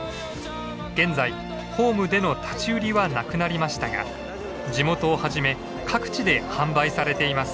現在ホームでの立ち売りはなくなりましたが地元をはじめ各地で販売されています。